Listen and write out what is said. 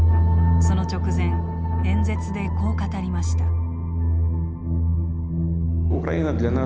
その直前演説で、こう語りました。